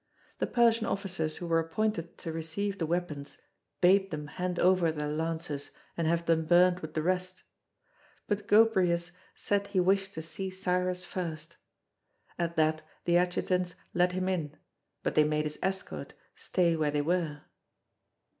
The Persian officers who were appointed to receive the weapons bade them hand over their lances and have them burnt with the rest, but Gobryas said he wished to see Cyrus first. At that the adjutants led him in, but they made his escort stay where they were.